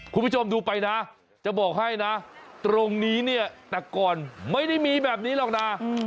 คุณผู้ชมดูไปนะจะบอกให้นะตรงนี้เนี่ยแต่ก่อนไม่ได้มีแบบนี้หรอกนะ